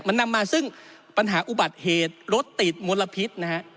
มันนำมาซึ่งปัญหาอุบัติเหตุรถติดมลพิษนะฮะ